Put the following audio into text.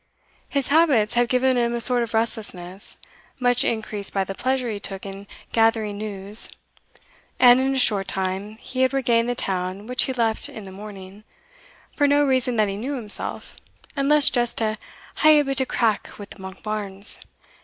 His habits had given him a sort of restlessness, much increased by the pleasure he took in gathering news; and in a short time he had regained the town which he left in the morning, for no reason that he knew himself, unless just to "hae a bit crack wi' Monkbarns."